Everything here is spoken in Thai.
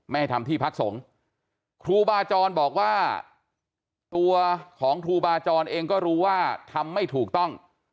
ให้ทำที่พักสงฆ์ครูบาจรบอกว่าตัวของครูบาจรเองก็รู้ว่าทำไม่ถูกต้อง